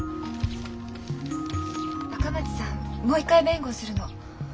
赤松さんもう一回弁護をするの。